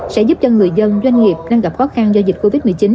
sẽ giúp cho người dân doanh nghiệp đang gặp khó khăn do dịch covid một mươi chín